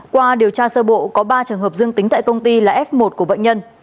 qua điều tra sơ bộ có ba trường hợp dương tính tại công ty là f một của bệnh nhân